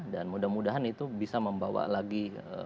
dan mudah mudahan itu bisa membawa lagi